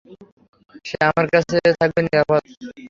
সে আমাদের কাছে নিরাপদ থাকবে।